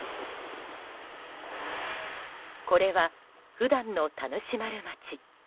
これは、普段の田主丸町。